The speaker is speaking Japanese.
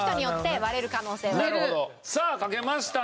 さあ書けましたね。